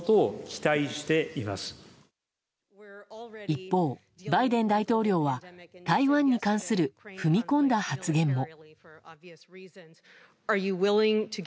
一方、バイデン大統領は台湾に関する踏み込んだ発言も。